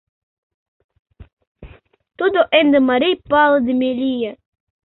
Тудо ынде марий палыдыме лие.